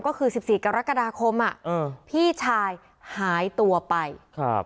ก็คือสิบสี่กรกฎาคมอ่ะเออพี่ชายหายตัวไปครับ